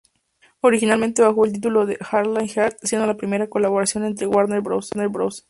Originalmente bajo el título de "Airline Earth", siendo la primera colaboración entre Warner Bros.